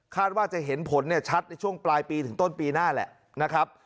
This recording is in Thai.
ว่าจะเห็นผลชัดในช่วงปลายปีถึงต้นปีหน้าแหละนะครับ